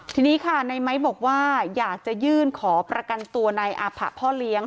ทีนี้ค่ะในไม้บอกว่าอยากจะยื่นขอประกันตัวในอาผะพ่อเลี้ยง